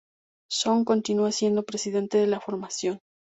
Soong continúa siendo presidente de la formación.